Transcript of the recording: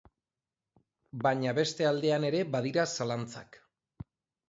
Baina beste aldean ere badira zalantzak.